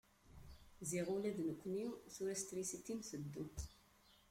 Ziɣ ula d nekni tura s trisiti i nteddu.